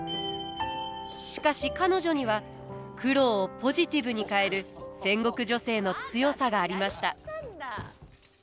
しかし彼女には苦労をポジティブに変える戦国女性の強さがありました。